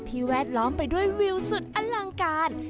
แวดล้อมไปด้วยวิวสุดอลังการ